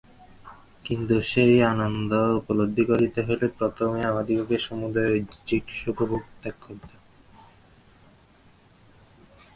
কিন্তু সেই আনন্দ উপলব্ধি করিতে হইলে প্রথমে আমাদিগকে সমুদয় ঐহিক সুখভোগ ত্যাগ করিতে হইবে।